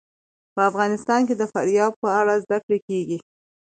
په افغانستان کې د فاریاب په اړه زده کړه کېږي.